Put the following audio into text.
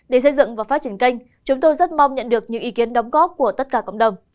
để xây dựng và phát triển kênh chúng tôi rất mong nhận được những ý kiến đóng góp của tất cả cộng đồng